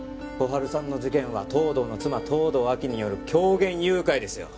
春さんの事件は東堂の妻東堂亜希による狂言誘拐ですよ